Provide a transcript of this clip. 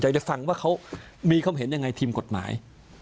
จะฟังว่าเขามีความเห็นยังไงทีมกฎหมาย